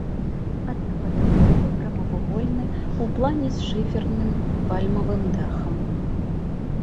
Аднапавярховы, прамавугольны ў плане з шыферным вальмавым дахам.